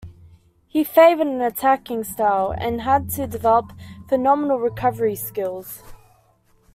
He favoured an attacking style, and had to develop phenomenal recovery skills.